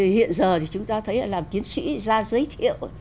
hiện giờ thì chúng ta thấy làm tiến sĩ ra giới thiệu